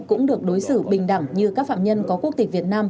cũng được đối xử bình đẳng như các phạm nhân có quốc tịch việt nam